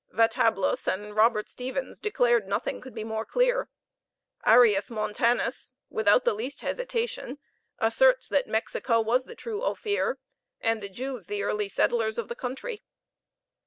Vatablus and Robert Stephens declared nothing could be more clear; Arius Montanus, without the least hesitation, asserts that Mexico was the true Ophir, and the Jews the early settlers of the country.